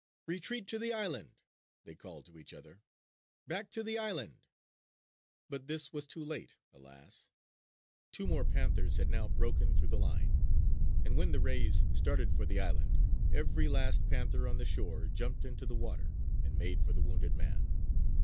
"Retreat to the island!" they called to each other. "Back to the island!" But this was too late, alas. Two more panthers had now broken through the line; and when the rays started for the island, every last panther on the shore jumped into the water and made for the wounded man.